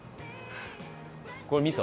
これみそ？